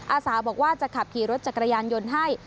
อาสาบอกว่าจะขับขี่รถจักรยานยนต์ให้